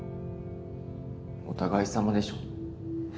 お互いさまでしょ。